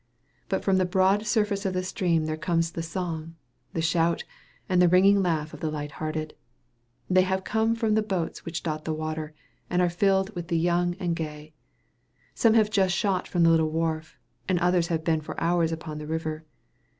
But from the broad surface of the stream there comes the song, the shout, and the ringing laugh of the light hearted. They come from the boats which dot the water, and are filled with the young and gay. Some have just shot from the little wharf, and others have been for hours upon the river.